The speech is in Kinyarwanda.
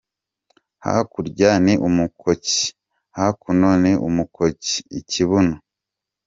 Hakurya ni umukoki, hakuno ni umukoki:iKibuno.